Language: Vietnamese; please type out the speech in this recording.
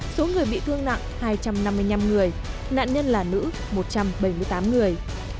số người bị thương nặng hai trăm năm mươi năm người nạn nhân là nữ một trăm bảy mươi tám người